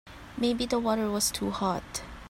Maybe the water was too hot.